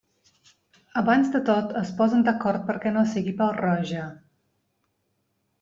Abans de tot, es posen d'acord perquè no sigui pèl-roja!